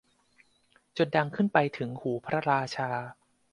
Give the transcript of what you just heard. จนดังขึ้นไปถึงหูพระราชา